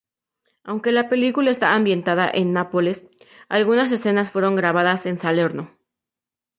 Aunque la película está ambientada en Nápoles, algunas escenas fueron grabadas en Salerno.